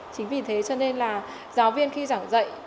chính vì thế cho nên là giáo viên khi giảng dạy